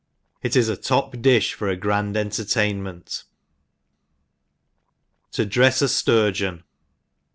It is a top difh for a grand entertainment* 51^ //rg/f tf Sturgeon.